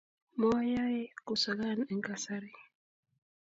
moayei kusakan eng kasari